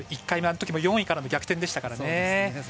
１回目、あのときも４位からの逆転ですからね。